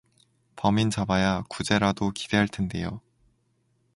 범인 잡아야 구제라도 기대할 텐데요